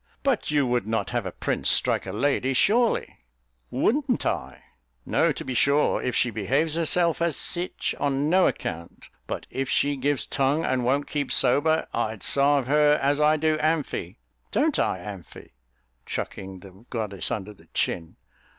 "But you would not have a prince strike a lady, surely?" "Wouldn't I? No to be sure, if she behave herself as sich, on no account; but if she gives tongue, and won't keep sober, I'd sarve her as I do Amphy don't I, Amphy?" chucking the goddess under the chin.